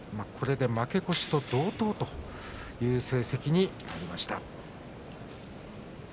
これで負け越しと同等という成績になりました。